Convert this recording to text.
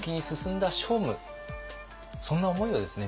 そんな思いをですね